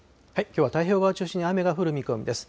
きょうは太平洋側を中心に雨が降る見込みです。